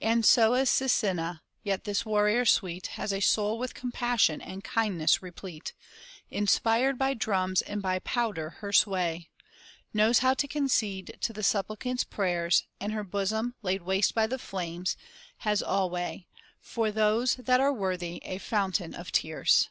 And so is Sisina yet this warrior sweet, Has a soul with compassion and kindness replete, Inspired by drums and by powder, her sway Knows how to concede to the supplicants' prayers, And her bosom, laid waste by the flames, has alway, For those that are worthy, a fountain of tears.